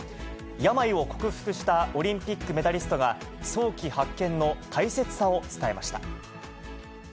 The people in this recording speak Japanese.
病を克服したオリンピックメダリストが、早期発見の大切さを伝えました。